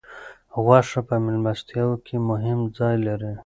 غوښه په میلمستیاوو کې مهم ځای لري.